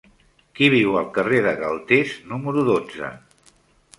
Qui viu al carrer de Galtés número dotze?